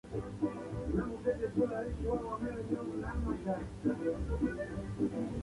Cramer and Co.